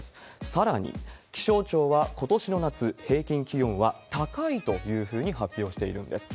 さらに、気象庁はことしの夏、平均気温は高いというふうに発表しているんです。